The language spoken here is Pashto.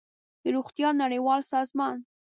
د روغتیا نړیوال سازمان